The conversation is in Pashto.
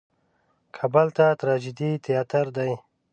کابل د ټراجېډي تیاتر دی.